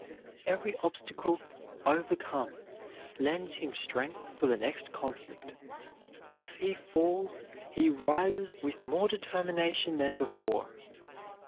Every obstacle overcome lends him strength for the next conflict. If he falls, he rises with more determination than before.